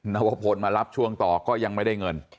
นวพลมารับช่วงต่อก็ยังไม่ได้เงิน